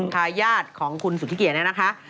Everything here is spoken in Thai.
คายาทของคุณสุทิเกียนะฮะ